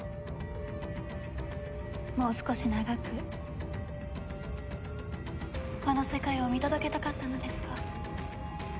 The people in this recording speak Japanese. もう少し長くこの世界を見届けたかったのですが。